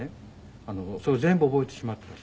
それ全部覚えてしまったんです。